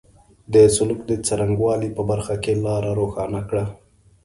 د سلوک د څرنګه والي په برخه کې لاره روښانه کړه.